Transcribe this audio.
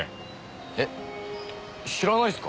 えっ知らないっすか？